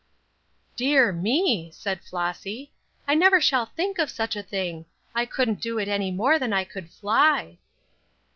"Dear me!" said Flossy, "I never shall think of such a thing. I couldn't do it any more than I could fly."